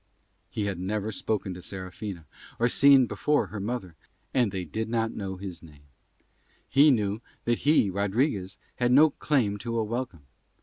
He had never spoken to Serafina, or seen before her mother, and they did not know his name; he knew that he, Rodriguez, had no claim to a welcome.